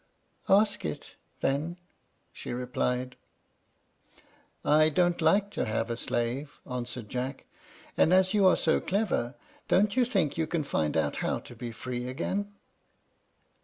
"Ask it then," she replied. "I don't like to have a slave," answered Jack; "and as you are so clever, don't you think you can find out how to be free again?"